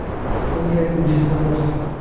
তবু ইহার একটু বিশেষ মূল্য আছে।